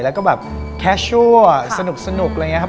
แล้วก็แบบแค่ชั่วสนุกอะไรอย่างนี้ครับ